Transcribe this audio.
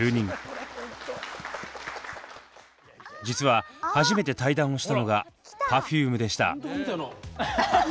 実は初めて対談をしたのがＰｅｒｆｕｍｅでした。